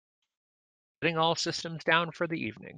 Shutting all systems down for the evening.